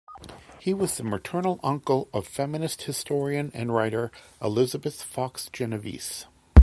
He was the maternal uncle of feminist historian and writer Elizabeth Fox-Genovese.